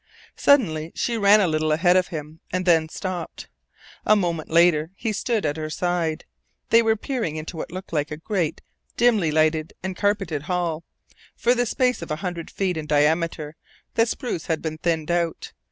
Suddenly she ran a little ahead of him, and then stopped. A moment later he stood at her side. They were peering into what looked like a great, dimly lighted and carpeted hall. For the space of a hundred feet in diameter the spruce had been thinned out.